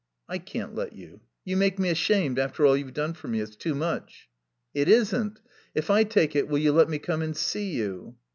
"I can't let you. You make me ashamed, after all you've done for me. It's too much." "It isn't. If I take it, will you let me come and see you?"